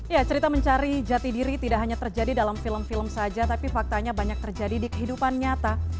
ya cerita mencari jati diri tidak hanya terjadi dalam film film saja tapi faktanya banyak terjadi di kehidupan nyata